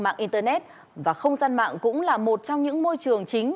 mạng internet và không gian mạng cũng là một trong những môi trường chính